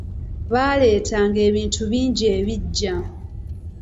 Baaleetanga ebintu bingi ebiggya.